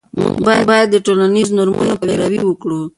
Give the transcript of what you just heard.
موږ باید د ټولنیزو نورمونو پیروي وکړو.